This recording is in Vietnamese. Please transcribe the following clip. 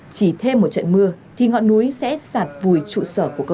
chỉ thêm một trận mưa thì ngọn núi sẽ bị sạt lở